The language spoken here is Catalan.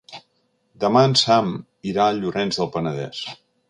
Demà en Sam irà a Llorenç del Penedès.